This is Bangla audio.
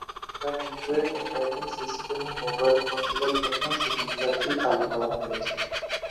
এবার অ্যান্ড্রয়েড অপারেটিং সিস্টেমের মোবাইল ফোনগুলোর জন্যও সুবিধাটি চালু করা হয়েছে।